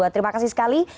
terima kasih sekali